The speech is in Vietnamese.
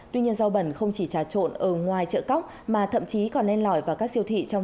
tuy nhiên rau bẩn không chỉ trà trộn ở ngoài chợ cóc mà thậm chí còn lên lỏi vào các siêu thị trong